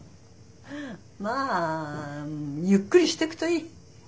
まあゆっくりしてくといい。